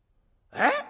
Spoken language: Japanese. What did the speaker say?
えっ！